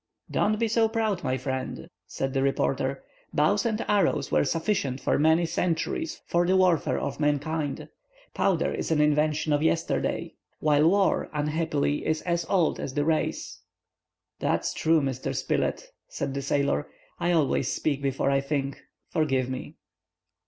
"Don't be so proud, my friend," said the reporter. "Bows and arrows were sufficient for many centuries for the warfare of mankind. Powder is an invention of yesterday, while war, unhappily, is as old as the race." "That's true, Mr. Spilett," said the sailor. "I always speak before I think. Forgive me."